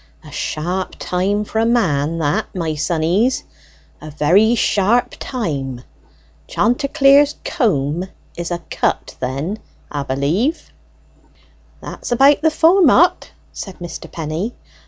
A sharp time for a man that, my sonnies; a very sharp time! Chanticleer's comb is a cut then, 'a believe." "That's about the form o't," said Mr. Penny.